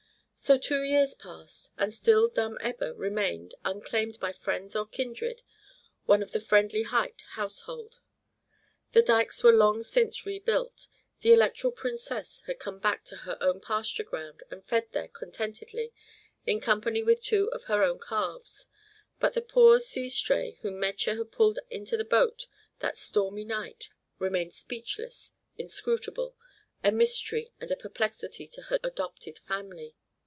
So two years passed, and still Dumb Ebba remained, unclaimed by friends or kindred, one of the friendly Huyt household. The dikes were long since rebuilt, the Electoral Princess had come back to her own pasture ground and fed there contentedly in company with two of her own calves, but the poor sea stray whom Metje had pulled into the boat that stormy night remained speechless, inscrutable, a mystery and a perplexity to her adopted family.